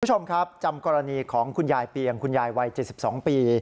คุณผู้ชมครับจำกรณีของคุณยายเปียงคุณยายวัย๗๒ปี